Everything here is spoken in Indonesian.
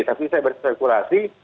tapi saya berspekulasi